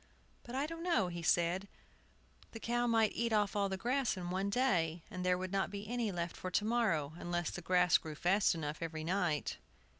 "But I don't know," he said, "but the cow might eat off all the grass in one day, and there would not be any left for to morrow, unless the grass grew fast enough every night."